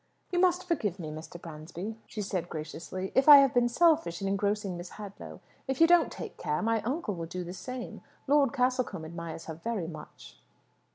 "You must forgive me, Mr. Bransby," she said graciously, "if I have been selfish in engrossing Miss Hadlow. If you don't take care, my uncle will do the same! Lord Castlecombe admires her very much."